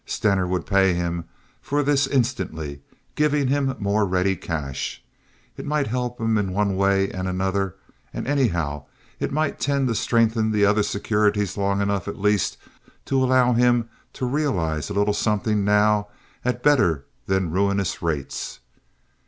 Stener would pay him for this instantly, giving him more ready cash. It might help him in one way and another; and, anyhow, it might tend to strengthen the other securities long enough at least to allow him to realize a little something now at better than ruinous rates.